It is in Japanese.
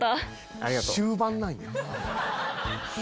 ありがとう。